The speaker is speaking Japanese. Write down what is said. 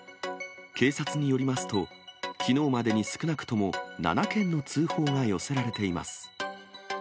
警察によりますと、きのうまでに少なくとも７件の通報が寄せられています。